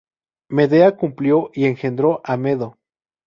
Medea cumplió y engendró a Medo.